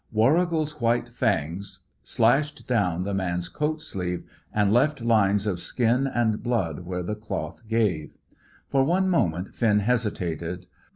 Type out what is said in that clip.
Warrigal's white fangs slashed down the man's coat sleeve, and left lines of skin and blood where the cloth gave. For one moment Finn hesitated.